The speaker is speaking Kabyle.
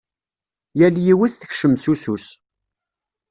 Yal yiwet tekcem s usu-s.